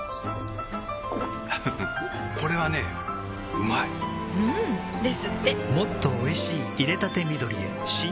ゴクッふふこれはねうまいうんですってもっとおいしい淹れたて緑へ新！